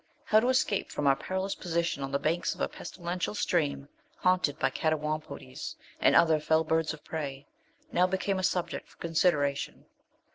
How to escape from our perilous position on the banks of a pestilential stream, haunted by catawampodes and other fell birds of prey, now became a subject for consideration.